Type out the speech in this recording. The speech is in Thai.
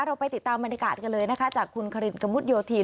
เราไปติดตามบรรยากาศเลยนะคะเจ้าคุณขอติดตามคุณคาเรนกะมุชโยธิน